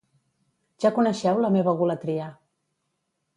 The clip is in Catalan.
Ja coneixeu la meva egolatria.